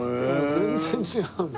全然違う。